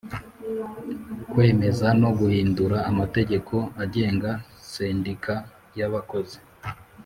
Kwemeza no guhindura amategeko agenga Sendika yabakozi